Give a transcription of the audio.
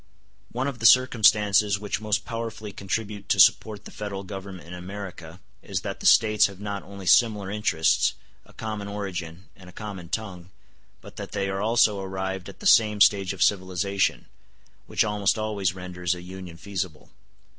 One of the circumstances which most powerfully contribute to support the Federal Government in America is that the States have not only similar interests, a common origin, and a common tongue, but that they are also arrived at the same stage of civilization; which almost always renders a union feasible.